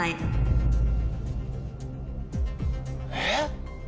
えっ？